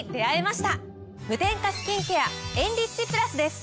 無添加スキンケアエンリッチプラスです。